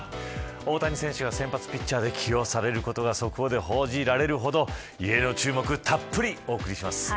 大谷選手が先発ピッチャーで起用されるのが速報で伝えられるほど異例の注目たっぷり、お送りします。